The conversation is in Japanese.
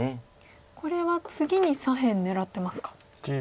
これは次に左辺狙ってますか。